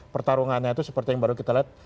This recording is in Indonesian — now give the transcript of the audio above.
pertarungannya itu seperti yang baru kita lihat